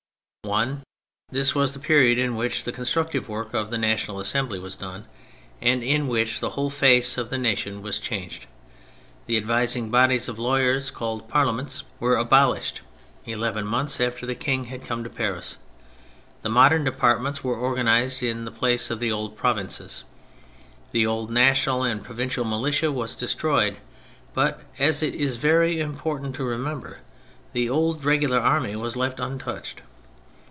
1. This was the period in which the con structive work of the National Assembly was done, and in which the whole face of the nation was changed. The advising bodies of lawyers called " Parliaments " were abolished (eleven months after the King had come to Paris), the Modern Departments were organised in the place of the old provinces, the old national and provincial militia was destroyed; but (as it is very important to remember) the old regular army was left untouched.